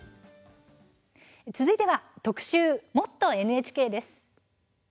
続いては特集「もっとＮＨＫ」です。